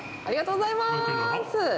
ありがとうございます。